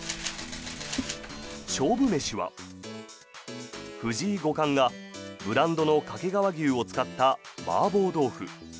勝負飯は、藤井五冠がブランドの掛川牛を使った麻婆豆腐。